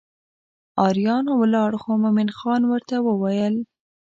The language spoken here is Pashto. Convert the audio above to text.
اریان ولاړ خو مومن خان ورته وویل.